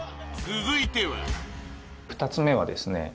続いては２つ目はですね